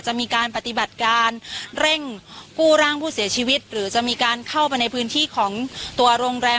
จะมีการปฏิบัติการเร่งกู้ร่างผู้เสียชีวิตหรือจะมีการเข้าไปในพื้นที่ของตัวโรงแรม